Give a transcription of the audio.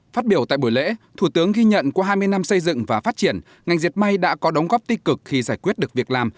phát biểu tại buổi lễ thủ tướng ghi nhận qua hai mươi năm xây dựng và phát triển ngành diệt may đã có đóng góp tích cực khi giải quyết được việc làm